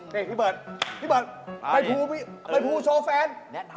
นี่พี่เบิร์ดไปพูโชว์แฟน